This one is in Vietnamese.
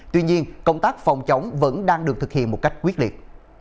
tuy nhiên công tác phòng chống vẫn đang được thực hiện một cách quyết liệt